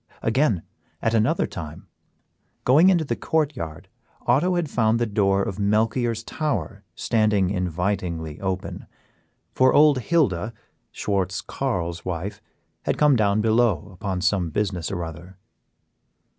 Again, at another time, going into the court yard, Otto had found the door of Melchior's tower standing invitingly open, for old Hilda, Schwartz Carl's wife, had come down below upon some business or other.